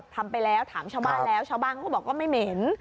ทำไปแล้วถามชาวบ้านแล้วชาวบ้านเขาบอกว่าไม่เหม็น